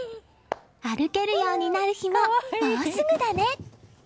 歩けるようになる日ももうすぐだね。